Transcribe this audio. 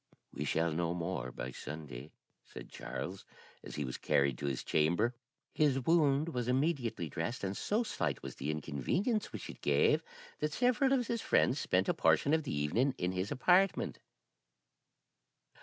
'We shall know more by Sunday,' said Charles, as he was carried to his chamber. His wound was immediately dressed, and so slight was the inconvenience which it gave that several of his friends spent a portion of the evening in his apartment.